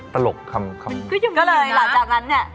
ตลกคำมันก็ยังไม่อยู่นะเพราะเลยหลักจากนั้นเนี่ย